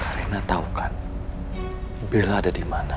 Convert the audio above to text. karena tau kan bella ada dimana